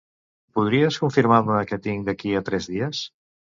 Podries confirmar-me què tinc d'aquí a tres dies?